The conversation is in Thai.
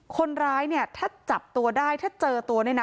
คนร้ายเนี่ยถ้าจับตัวได้ถ้าเจอตัวเนี่ยนะ